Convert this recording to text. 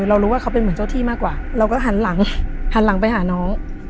เรารู้ว่าเขาเป็นเหมือนเจ้าที่มากกว่าเราก็หันหลังหันหลังไปหาน้อง